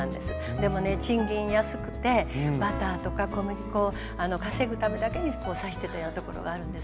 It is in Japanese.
でもね賃金安くてバターとか小麦粉を稼ぐためだけに刺してたようなところがあるんですね。